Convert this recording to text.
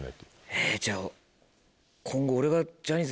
えっじゃあ。